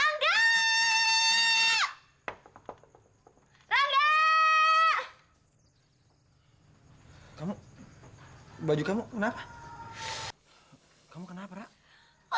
sama keribuk lah karena dia ngaku ngaku jadi pacar aku